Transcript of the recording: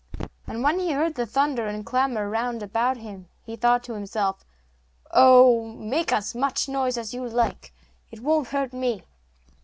And when he heard the thunder and clamour round about him he thought to himself, 'Oh, make as much noise as you like, it won't hurt me!